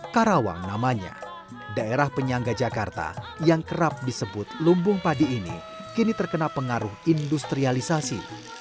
karawang namanya daerah penyangga jakarta yang kerap disebut lumbung padi ini kini terkena pengaruh industrialisasi